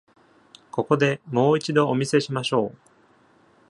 ここで、もう一度お見せしましょう。